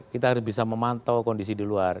kita harus bisa memantau kondisi di luar